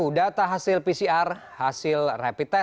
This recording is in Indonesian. terbaru data hasil pcr hasil rapid test dan hasil data yang terbaru